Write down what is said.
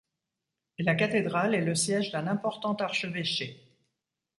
La cathédrale est le siège d'un important archevêché.